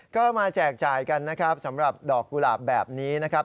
ก็มาแจกจ่ายกันนะครับสำหรับดอกกุหลาบแบบนี้นะครับ